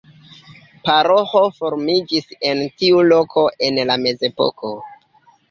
Paroĥo formiĝis en tiu loko en la mezepoko.